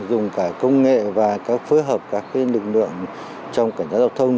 dùng cả công nghệ và phối hợp các lực lượng trong cảnh sát giao thông